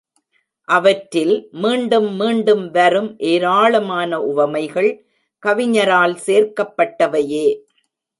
அவற்றில் மீண்டும் மீண்டும் வரும் ஏராளமான உவமைகள் கவிஞரால் சேர்க்கப்பட்டவையே.